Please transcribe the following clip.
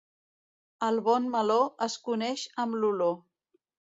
El bon meló es coneix amb l'olor.